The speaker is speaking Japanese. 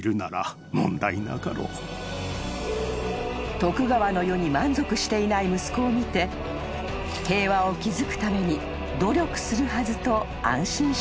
［徳川の世に満足していない息子を見て平和を築くために努力するはずと安心したという］